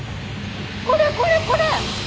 これこれこれ！